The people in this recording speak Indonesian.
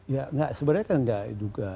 ya sebenarnya kan enggak